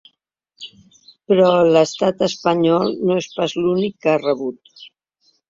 Però l’estat espanyol no és pas l’únic que ha rebut.